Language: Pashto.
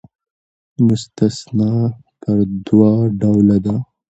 مستثنی پر دوه ډوله ده.